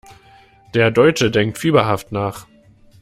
Der Deutsche denkt fieberhaft nach.